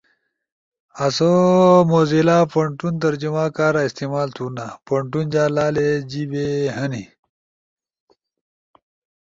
آسو موزیلا پونٹون ترجمہ کارا استعمال تھونا۔ پونٹون جا لالے جیِنے ہنے۔